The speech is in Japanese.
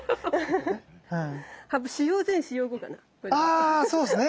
あそうすね。